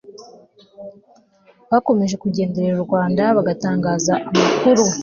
bakomeje kugenderera u rwanda bagatangaza amakuru